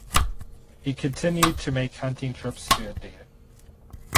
He continued to make hunting trips to India.